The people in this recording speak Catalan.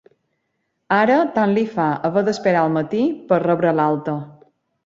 Ara tant li fa haver d'esperar al matí per rebre l'alta.